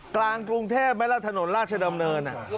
กลางกรุงเทพไหมล่ะถนนราชดำเนิน